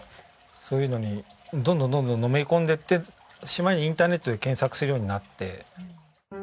そういうのにどんどんどんどんのめり込んでいってしまいにインターネットで検索するようになって。